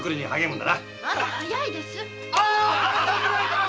まだ早いです「